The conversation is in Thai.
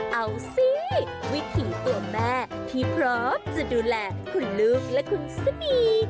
เอาสิวิถีตัวแม่ที่พร้อมจะดูแลคุณลูกและคุณสมี